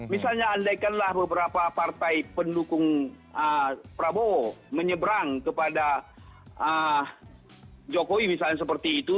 misalnya andaikanlah beberapa partai pendukung prabowo menyeberang kepada jokowi misalnya seperti itu